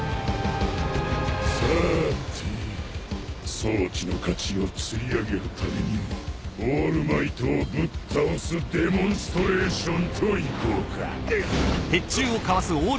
装置の価値をつり上げるためにもオールマイトをぶっ倒すデモンストレーションと行こうか。